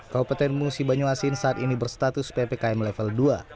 kabupaten musi banyuasin saat ini berstatus ppkm level dua